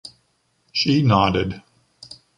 She nodded.